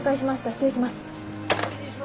失礼します。